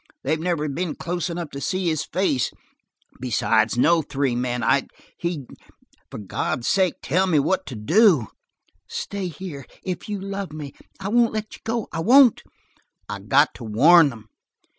They've never been close enough to see his face. Besides, no three men I he for God's sake tell me what to do!" "Stay here if you love me. I won't let you go. I won't!" "I got to warn them."